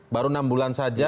baru enam bulan saja